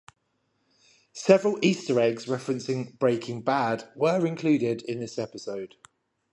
Several Easter eggs referencing "Breaking Bad" were included in this episode.